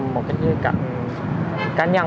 một cái giới trẻ cá nhân